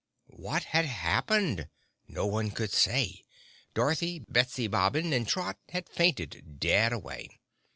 What had happened? No one could say. Dorothy, Betsy Bobbin and Trot had fainted dead away.